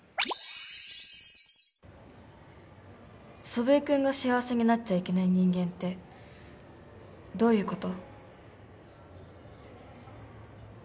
祖父江君が幸せになっちゃいけない人間ってどういうこと？